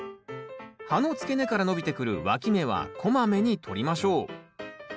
葉の付け根から伸びてくるわき芽はこまめに取りましょう。